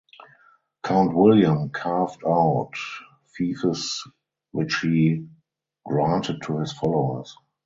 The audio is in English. Count William carved out fiefs which he granted to his followers.